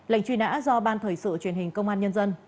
lệnh truy nã do ban thời sự truyền hình công an nhân dân